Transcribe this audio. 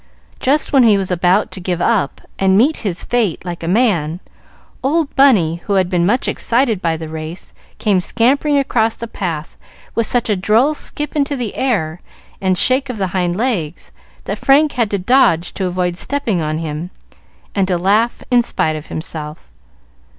Just when he was about to give up and meet his fate like a man, old Bunny, who had been much excited by the race, came scampering across the path with such a droll skip into the air and shake of the hind legs that Frank had to dodge to avoid stepping on him, and to laugh in spite of himself.